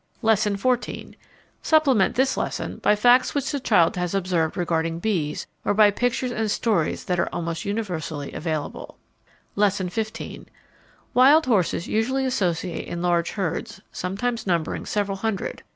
Lesson XIV. Supplement this lesson by facts which the child has observed regarding bees, or by pictures and stories that are almost universally available. Lesson XV. Wild horses usually associate in large herds sometimes numbering several hundred.